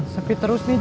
sepi terus nih jang